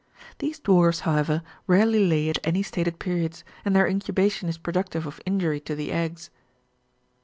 These dwarfs, however, rarely lay at any stated pe riods, and their incubation is productive of injury^'' to the eggs.